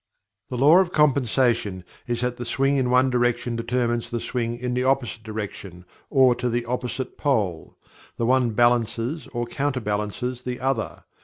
The Law of Compensation is that the swing in one direction determines the swing in the opposite direction, or to the opposite pole the one balances, or counterbalances, the other.